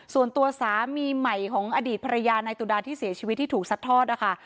ส่วนตัวสามีใหม่ของอดีตภรรยานายตุดาที่เสียชีวิตที่ถูกซัดทอดนะคะ